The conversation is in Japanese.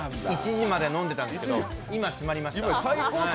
１時まで飲んでいたんですけど、今、締まりました。